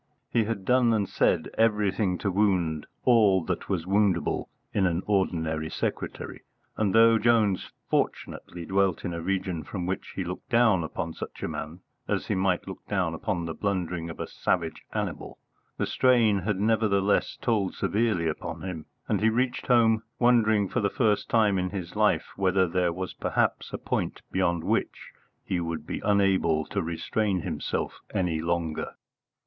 He had done and said everything to wound all that was woundable in an ordinary secretary, and though Jones fortunately dwelt in a region from which he looked down upon such a man as he might look down on the blundering of a savage animal, the strain had nevertheless told severely upon him, and he reached home wondering for the first time in his life whether there was perhaps a point beyond which he would be unable to restrain himself any longer.